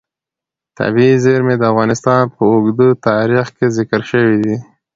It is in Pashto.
طبیعي زیرمې د افغانستان په اوږده تاریخ کې ذکر شوی دی.